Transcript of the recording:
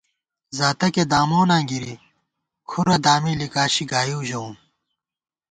زاتَکےداموناں گِری ، کھُرہ دامی لِکاشی گائیؤ ژَوُم